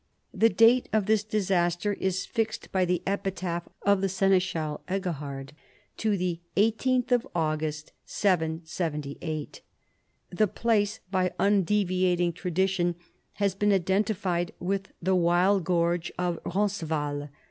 The date of this disaster is fixed by the epitaph of the seneschal Eggihard to the 18th of August Y78. The place, by undeviating tradition, has been identified with the wild gorge of Roncesvalles.